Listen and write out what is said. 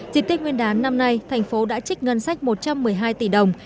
dịp tết nguyên đán năm nay thành phố đã trích ngân sách một trăm một mươi hai tỷ đồng